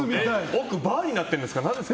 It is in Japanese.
奥はバーになってるんですか？